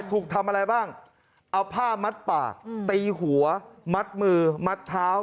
ถูกทำอะไรบ้างเอาผ้ามัดปากตีหัวมัดมือมัดเท้า